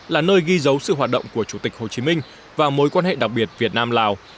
là nơi ghi dấu sự hoạt động của chủ tịch hồ chí minh và mối quan hệ đặc biệt việt nam lào